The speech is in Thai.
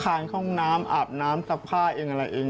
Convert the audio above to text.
ค้างคองน้ำอาบน้ำทรัภาเองอะไรเอง